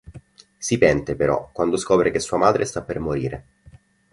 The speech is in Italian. Si pente, però, quando scopre che sua madre sta per morire.